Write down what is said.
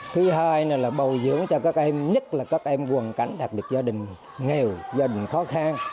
thứ hai là bầu dưỡng cho các em nhất là các em quần cảnh đặc biệt gia đình nghèo gia đình khó khăn